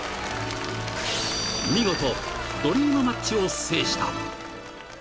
［見事ドリームマッチを制した］